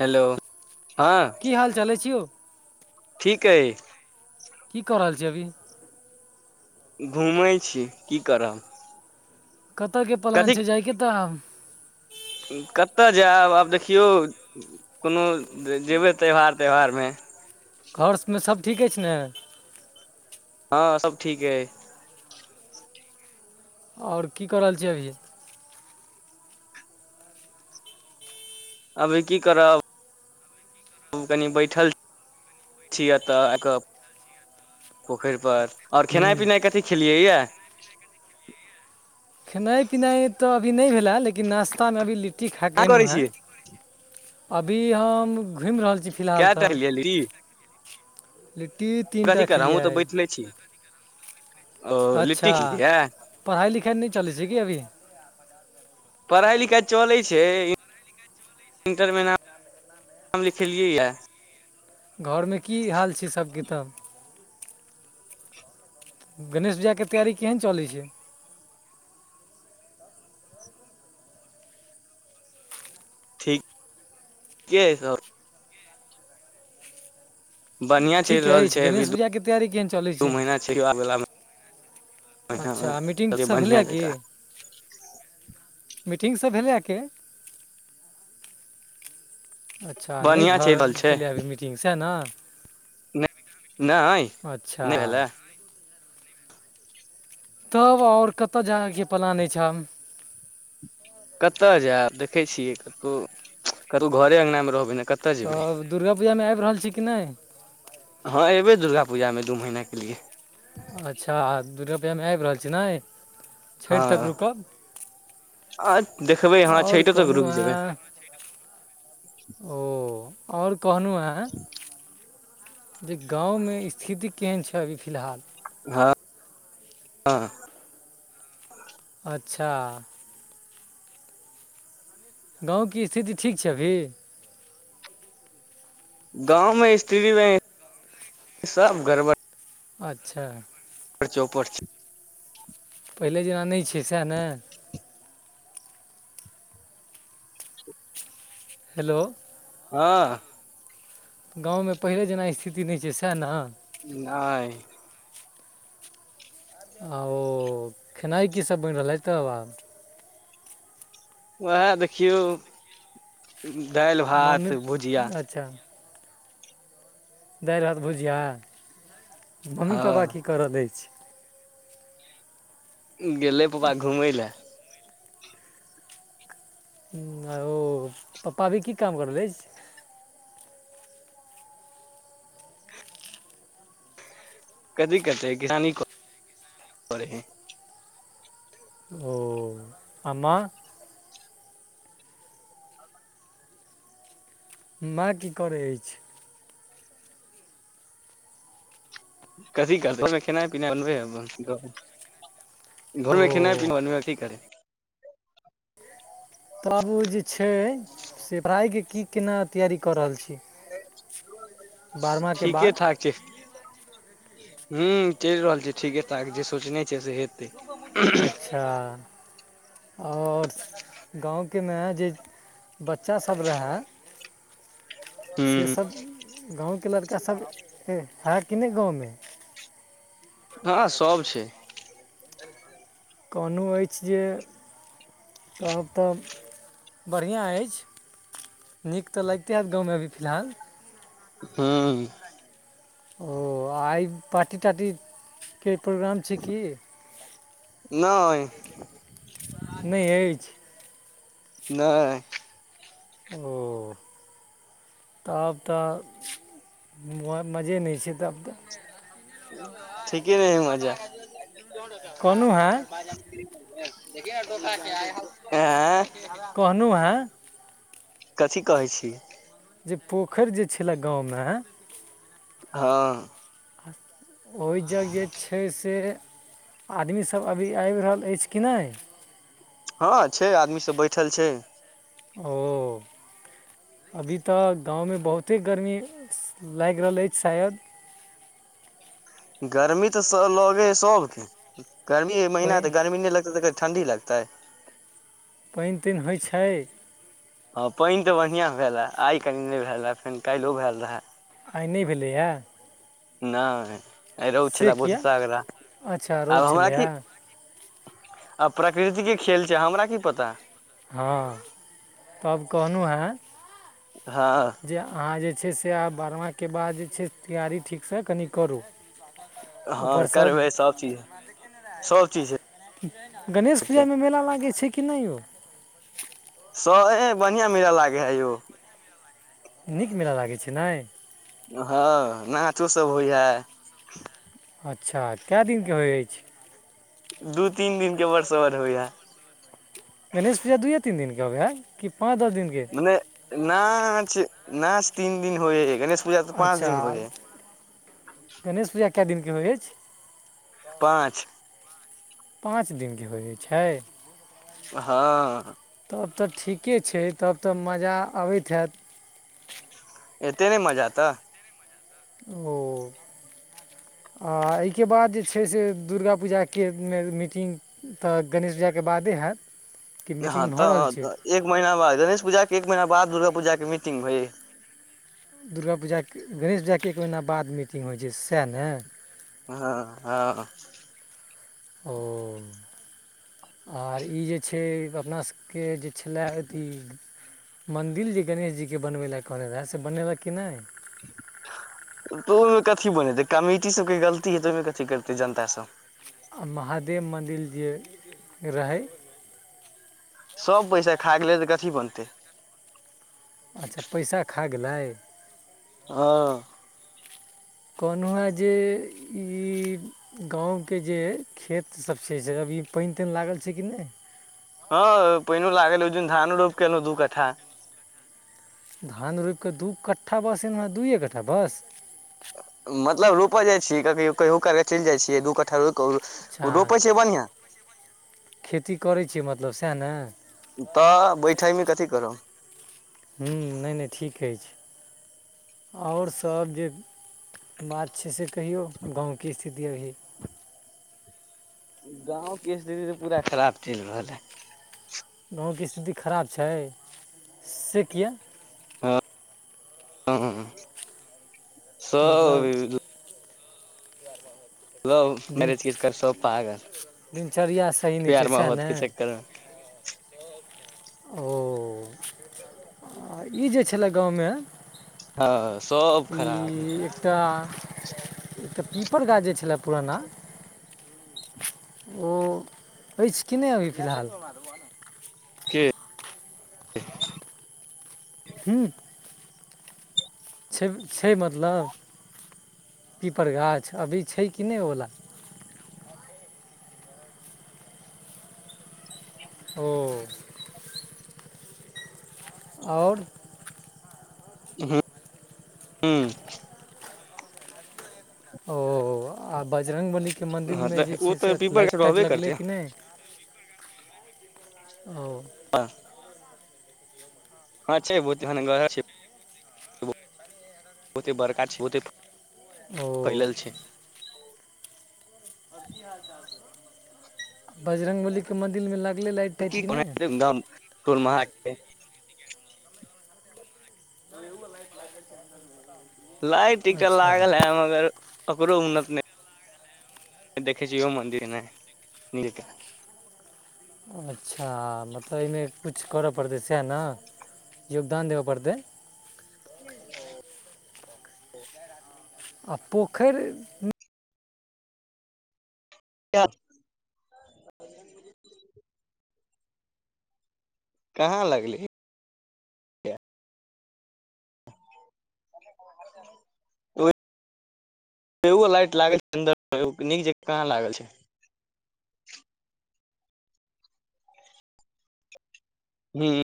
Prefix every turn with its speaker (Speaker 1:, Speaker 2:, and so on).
Speaker 1: Hello हँ
Speaker 2: की हाल चाल अछि यौ
Speaker 1: ठीक अइ।
Speaker 2: की कऽ रहल छी अभी?
Speaker 1: घुमै छी की करब।
Speaker 2: कतय के प्लान
Speaker 1: कथी
Speaker 2: छै जायके तऽ आब।
Speaker 1: कतय जायब आब देखियौ कोनो जेबै त्यौहार त्यौहारमे।
Speaker 2: घर सबमे सब ठीक अछि ने।
Speaker 1: हँ सब ठीक अई।
Speaker 2: आओर की कऽ रहल छैय अभिय?
Speaker 1: अभी की करब। कनि बैठल छी एतऽ आ कऽ पोखैर पर। आओर खेनाइ
Speaker 2: हूँ
Speaker 1: पिनाइ कथी खेलियै यऽ।
Speaker 2: खेनाइ पिनाइ तऽ अभी नहि भेलए लेकिन नाश्तामे अभी लिट्टी खा कऽ
Speaker 1: का
Speaker 2: एयलहु
Speaker 1: करै
Speaker 2: हँ।
Speaker 1: छियै
Speaker 2: अभी हम घुमि रहल छी फिलहाल
Speaker 1: केय टहैलेलहि।
Speaker 2: लिटी ती
Speaker 1: कथी करब हमहूँ तऽ बैठले छी। ओ लिट्टी
Speaker 2: अच्छा
Speaker 1: खेलियै
Speaker 2: पढ़ाई लिखाई नहि चलै छै की अभी?
Speaker 1: पढ़ाई लिखाई चलै छै। इन्टरमे नाम नाम लिखेलियै यऽ
Speaker 2: घरमे की हाल छै सबके तऽ? गणेश पूजा के तैयारी केहन चलै छै?
Speaker 1: ठीक ठीके हइ सब। बढ़ियां चलि
Speaker 2: ठीक
Speaker 1: रहल
Speaker 2: अछि
Speaker 1: छै अभी
Speaker 2: गणेश पूजाके तैयारी केहन चलै छै।
Speaker 1: दू महीना आबैला
Speaker 2: अच्छा
Speaker 1: महीनामे
Speaker 2: मीटिंगसभ
Speaker 1: बढ़िआँ
Speaker 2: भेलैए कि?
Speaker 1: जकाँ
Speaker 2: मीटिंग सब भेलै आके। अच्छा नहि
Speaker 1: बढ़िआँ चलि
Speaker 2: भर
Speaker 1: रहल छै
Speaker 2: पेलैया अभी मीटिंग सऽ नअ।
Speaker 1: नहि नहि भेला।
Speaker 2: तब ओर कतऽ जायके प्लान अछि हम
Speaker 1: कतय जायब देखै छियै कतहु कतहु घरे अङ्गना मे रहबै ने कत
Speaker 2: तब दुर्गा पूजामे आबि रहल छी कि नहि?
Speaker 1: हँ एयबै दुर्गा पूजामे दू महीना के लिए।
Speaker 2: अच्छा दुर्गा पूजामे आबि रहल छी नै छठि
Speaker 1: हँ
Speaker 2: तक रुकब।
Speaker 1: आ देखबै हाँ
Speaker 2: आओर
Speaker 1: छठो तक
Speaker 2: कहलहुँ
Speaker 1: रुकि जेबै।
Speaker 2: हँ ओ आओर कहलहुँ हऽ जे गाँवमे स्थिति केहन छै अभी फिलहाल।
Speaker 1: हँ हँ।
Speaker 2: अच्छा। गाँवके स्थिति ठीक छै अभी?
Speaker 1: गाँंव में स्त्री में सब गड़बड़
Speaker 2: अच्छा।
Speaker 1: चौपट छै।
Speaker 2: पहिले जेना नहि छै सएह ने? हेलो।
Speaker 1: हँ।
Speaker 2: गांवमे पहिले जेना स्थिति नहि छै सएह ने?
Speaker 1: नै।
Speaker 2: आ ओ खेनाइ कीसभ बनि रहलै तब आब?
Speaker 1: उएह देखियौ दालि
Speaker 2: मम्मी
Speaker 1: भात भुजिया।
Speaker 2: अच्छा। दैल भात भुजीया? मम्मी पापा की
Speaker 1: हँ
Speaker 2: करऽ दै छै?
Speaker 1: गेलै पप्पा घुमय लए।
Speaker 2: आ ओ पप्पा अभी की काम करलै?
Speaker 1: कथी करतेै किसानीे [unintelligible] हे।
Speaker 2: ओ आ मां? माँ की करै अछि?
Speaker 1: कथी करत घर मे खेनाइ पिनाइ बनबे ह
Speaker 2: ओ
Speaker 1: घरमे खेनाइ। मनमेठी करै।
Speaker 2: तऽ आब ओ जे छै से पढ़ाइके की केना तैयारी कऽ रहल छी? बारहमाके
Speaker 1: ठीके
Speaker 2: बाद
Speaker 1: ठाक छै। हु चलि रहल छै ठीके ठाक जे सोचने छै से हेतै।
Speaker 2: अच्छा आओर गाँवकेमे जे बच्चासभ रहै से
Speaker 1: हूं
Speaker 2: सब गाँवके लड़कास सभ है कि नहि गाँवमे?
Speaker 1: हँ सब छै।
Speaker 2: कहलू अछि जे कहब तऽ बढ़िआँ अछि नीक तऽ लगिते होयैत गाँवमे अभी फिलहाल?
Speaker 1: ह्म्म।
Speaker 2: ओ आइ पार्टी तार्टीके प्रोग्राम छै की?
Speaker 1: नहि।
Speaker 2: नहि एछ?
Speaker 1: नहि।
Speaker 2: ओ। अब तऽ मजे नहि छै तब तऽ
Speaker 1: ठीके नहि मजा।
Speaker 2: कहलहुँ हेँ
Speaker 1: आँ।
Speaker 2: कहलहुँ हेँ
Speaker 1: कथी कहै छी?
Speaker 2: जे पोखरि जे छलए गाँवमे।
Speaker 1: हँ।
Speaker 2: ओहि जग जे छै से आदमीसभ अभी आबि रहल अछि कि नहि?
Speaker 1: हँ छै आदमी सब बैठल छै।
Speaker 2: ओ। अभी तऽ गाँवमे बहुते गर्मी लागि रहल अछि शायद।
Speaker 1: गर्मी तऽ लगैये है सबके, गर्मी के महीना है
Speaker 2: पानि
Speaker 1: तऽ गर्मी नहि लगतेै तऽ ठंडी लग तै।
Speaker 2: पानि तानि होइ छै?
Speaker 1: हं पानि तऽ बढ़ियां भेले, आइ कनी नहि भेल रहे, फेन काल्हियो भेल रहे।
Speaker 2: आइ नहि भेलैए।
Speaker 1: नै, आई रौद
Speaker 2: से
Speaker 1: छले बहुत
Speaker 2: किया
Speaker 1: तगरा,
Speaker 2: अच्छा रौद
Speaker 1: आब हमरा
Speaker 2: छलैए
Speaker 1: कि आब प्रकृतिके खेल छै, हमरा की पता
Speaker 2: हँ, तब कहलहुं हेँ
Speaker 1: हँ।
Speaker 2: जे अहाँ जे छै से आब बारहमाँके बाद जे छै तैयारी ठीकसँ कनि करू।
Speaker 1: हँ
Speaker 2: उपरसँ
Speaker 1: करबै सब चीज, सब चीज हे
Speaker 2: गणेश पूजामे मेला लागै छै कि नै यौ
Speaker 1: स एंह बढ़िआं मेला लागे है यौ।
Speaker 2: नीक मेला लागै छै नै।
Speaker 1: हँ नाचो सब होइये।
Speaker 2: अच्छा, कए दिनके होइ अछि।
Speaker 1: दू तीन दिन के बर सवर होइये।
Speaker 2: गणेश पूजा दुइये तीन दिनके होबै हइ कि पाँच दस दिनके
Speaker 1: नहि नाच, नाच तीन दिन होइये, गणेश पूजा तऽ पाँच
Speaker 2: अच्छा
Speaker 1: दिन के होइये।
Speaker 2: गणेश पूजा कए दिनके होइत अछि?
Speaker 1: पाँच।
Speaker 2: पाँच दिनके हो जाइ छै?
Speaker 1: हँ।
Speaker 2: तब तऽ ठीके छै, तब तऽ मजा अबैत हैत।
Speaker 1: एते नै मजा तऽ।
Speaker 2: ओ। आ एहिके बाद जे छै से दुर्गा पूजाके मीटिंग तऽ गणेश पूजाके बादे हयत कि
Speaker 1: हँ
Speaker 2: मीटिंग भऽ रहल छै।
Speaker 1: तऽ एक महीना बाद गणेश पूजा के एक महीना बाद दुर्गा पूजा के मीटिंग होइ।
Speaker 2: दुर्गा पूजाके गणेश पूजाके एक महीना बाद मीटिंग होइ छै सएह ने।
Speaker 1: हँ हँ।
Speaker 2: ओ। आर ई जे छै अपना सभके जे छलय अथी मन्दिर जे गणेश जीके बनबै ले कहने रहै से बनेलक कि नहि?
Speaker 1: दुर तऽ ओहिमे कथी बनेतै, कमिटी सबके गलती है तऽ ओहिमे कथी करतै जनता सब।
Speaker 2: आ महादेव मन्दिर जे रहै
Speaker 1: सभ पैसा खा गेलै तऽ कथी बनतै
Speaker 2: अच्छा पैसा खा गेलै।
Speaker 1: हँ।
Speaker 2: कहलहुँ हँ जे ई गाँवके जे खेत सब छै से अभी पानि तानि लागल छै कि नहि।
Speaker 1: हं पैनो लागल, ओहि दिन धानो रोपिके एलहुं दू कठा।
Speaker 2: धान रोपि कऽ दू कट्ठा बस एक दिन मे दुइए कट्ठा बस
Speaker 1: मतलब रोपऽ जाय छियै की कहियो काल चलि जाइ छियै दू कट्ठा रो कहू
Speaker 2: अच्छा
Speaker 1: उ रोपै छैय बढ़िआँ।
Speaker 2: खेती करै छियै मतलब सएह ने।
Speaker 1: तऽ बैठेमे कथी करब।
Speaker 2: हूँ नहि-नहि ठीक अछि आओर सब जे बात छैयसे कहियौ गाँवके स्थिति अभी।
Speaker 1: गांव के स्थिति तऽ पूरा खराब चलि रहल है।
Speaker 2: गाँवके स्थिति खराब छैय से किए? मतलब
Speaker 1: [inaudible] लव
Speaker 2: [inaudible] दिन
Speaker 1: मैरेज के चक्कर सब पागल
Speaker 2: दिनचर्या सही नहि छैय
Speaker 1: प्यार
Speaker 2: सएह
Speaker 1: मोहब्बत
Speaker 2: ने।
Speaker 1: के चक्कर मे
Speaker 2: ओ ई जे छलय गाँवमे
Speaker 1: हँ सब
Speaker 2: ई
Speaker 1: खराब है
Speaker 2: एकटा एकटा पीपर गाछ जे छलै पूराना ओ ऐछ की नहि अभी फिलहाल।
Speaker 1: के
Speaker 2: हूँ। छैय छैय मतलब पीपर गाछ अभी छैय कि नहि ओला ओऽ। आओर
Speaker 1: उहू हू
Speaker 2: ओ आ बजरङ्ग बलीके
Speaker 1: हँ
Speaker 2: मन्दिलमे
Speaker 1: तऽ
Speaker 2: जे
Speaker 1: ओ
Speaker 2: छैय
Speaker 1: तऽ
Speaker 2: से
Speaker 1: पीपर
Speaker 2: लाइट ताइट
Speaker 1: रहबे
Speaker 2: लगलै
Speaker 1: करतै
Speaker 2: कि नहि। औ।
Speaker 1: अः हँ छैय बहुत झनगड़ छैय। बहुते बड़का छैय बहुते
Speaker 2: ओ
Speaker 1: फैलल छैय।
Speaker 2: बजरङ्गबलीके मन्दिलमे लगलै लाइट टाइट कि नहि।
Speaker 1: दम [inaudible]
Speaker 2: तऽ उहो लाइट लागे छैय।
Speaker 1: लाइट ईकटा लागल है मगर ओकरो उन्नति नहि देखै छिय ओहो मन्दिर में निलके
Speaker 2: अच्छा मतलब एहिमे किछु करऽ पड़तै सएह ने योगदान देबऽ पड़तै।
Speaker 1: [inaudible]
Speaker 2: आ पोखरि
Speaker 1: [inaudible] कहाँ लगले। [inaudible] एगो लाइट लागल छैय अंदर मे नीक जेका कहाँ लागल छैय। हूं।